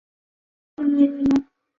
张达伦曾就读余振强纪念第二中学。